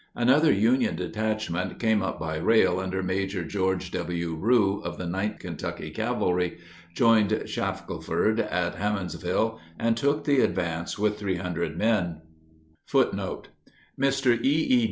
Another Union detachment came up by rail under Major George W. Rue, of the 9th Kentucky Cavalry, joined Shackelford at Hammondsville, and took the advance with 300 men. [Footnote 9: Mr. E.E.